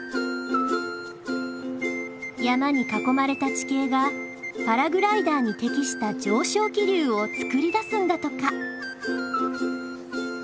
山に囲まれた地形がパラグライダーに適した上昇気流を作り出すんだとか。